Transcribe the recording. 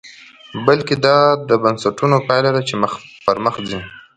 بلکې دا د بنسټونو پایله ده چې پرمخ ځي.